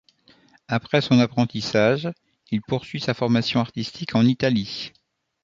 Après son apprentissage, il poursuit sa formation artistique en Italie.